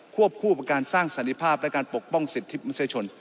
วบคู่กับการสร้างสันติภาพและการปกป้องสิทธิมนุษยชน